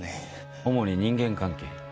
主に人間関係。